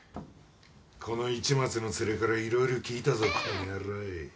この市松のツレから色々聞いたぞこの野郎。